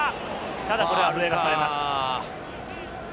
ただこれは笛が吹かれます。